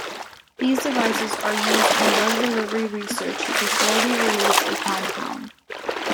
These devices are used in drug delivery research to slowly release a compound.